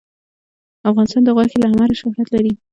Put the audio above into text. افغانستان د غوښې له امله شهرت لري.